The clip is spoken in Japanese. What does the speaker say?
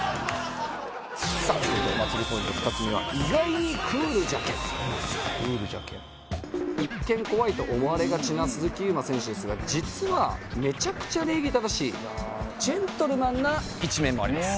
「さあ続いてお祭りポイント２つ目は意外にＣＯＯＬじゃけん」「ＣＯＯＬじゃけん」「一見怖いと思われがちな鈴木優磨選手ですが実はめちゃくちゃ礼儀正しいジェントルマンな一面もあります」